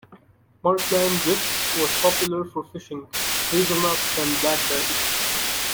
Markland Grips was popular for fishing, hazelnuts and blackberries.